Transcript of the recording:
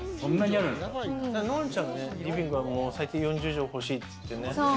のんちゃんがリビングは最低４０帖欲しいって言ってね。